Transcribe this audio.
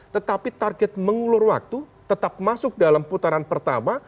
tetapi target mengulur waktu tetap masuk dalam putaran pertama